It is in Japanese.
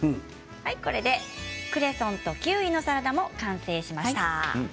これでクレソンとキウイのサラダも完成しました。